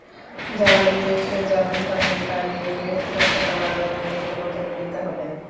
যাঁরা বিদেশে যাবেন, তাঁদের কারিগরি দক্ষতা বাড়ানোর দিকেও নজর দিতে হবে।